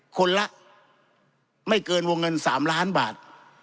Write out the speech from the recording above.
คนละไม่เกินวงเงิน๓ล้านบาท